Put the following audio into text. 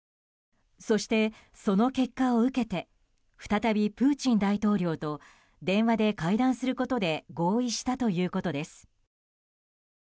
そして、その結果を受けて再びプーチン大統領と電話で会談することで合意したということです。